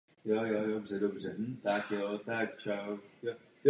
Každopádně vám děkuji za tuto rozpravu a za vaše návrhy.